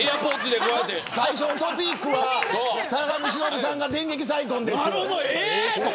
最初のトピックは坂上忍さんが電撃再婚です。